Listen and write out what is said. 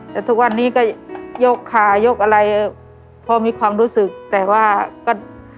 แต่ทุกวันนี้ก็ยกขายกอะไรพอมีความรู้สึกแต่ว่าก็